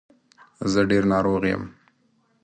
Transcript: زه ډېر ناروغ یم.